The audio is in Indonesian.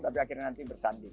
tapi akhirnya nanti bersanding